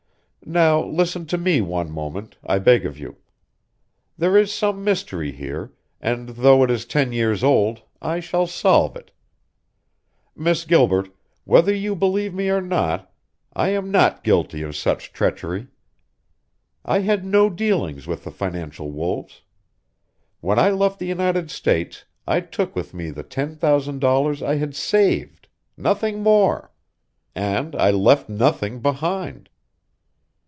"Now listen to me one moment, I beg of you. There is some mystery here, and though it is ten years old, I shall solve it. Miss Gilbert whether you believe me or not I am not guilty of such treachery. I had no dealings with the financial wolves. When I left the United States I took with me the ten thousand dollars I had saved nothing more. And I left nothing behind."